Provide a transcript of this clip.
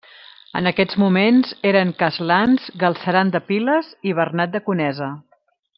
En aquests moments eren castlans Galceran de Piles i Bernat de Conesa.